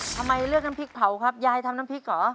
ทำไมเลือกน้ำพริกเผาครับยายทำน้ำพริกเหรอ